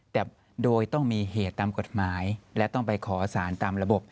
แต่โดยต้องมีเหตุตามกฎหมายและต้องไปขอสารตามระบบ